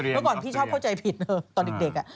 เมื่อก่อนพี่ชอบเข้าใจผิดตอนเด็ก